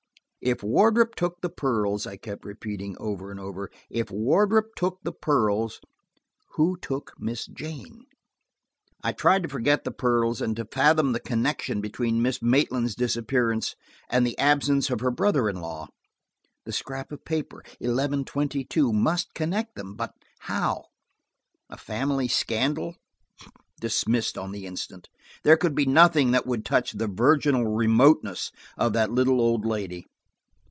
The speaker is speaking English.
If Wardrop took the pearls, I kept repeating over and over, if Wardrop took the pearls, who took Miss Jane? I tried to forget the pearls, and to fathom the connection between Miss Maitland's disappearance and the absence of her brother in law. The scrap of paper, eleven twenty two, must connect them, but how? A family scandal? Dismissed on the instant. There could be nothing that would touch the virginal remoteness of that little old lady.